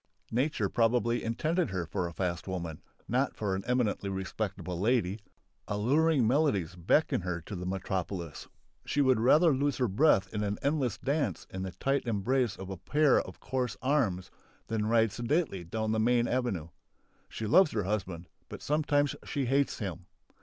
Nature probably intended her for a fast woman, not for an eminently respectable lady. Alluring melodies beckon her to the metropolis. She would rather lose her breath in an endless dance in the tight embrace of a pair of coarse arms than ride sedately down the main avenue. She loves her husband, but sometimes she hates him.